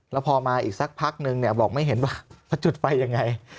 แล้วพอมาอีกสักพักนึงเนี่ยบอกไม่เห็นว่าเขาจุดไฟยังไง